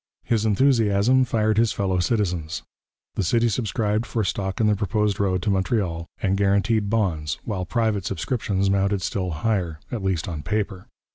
His enthusiasm fired his fellow citizens: the city subscribed for stock in the proposed road to Montreal, and guaranteed bonds, while private subscriptions mounted still higher, at least on paper.